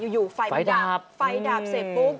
อยู่ไฟดับเสร็จปุ๊บ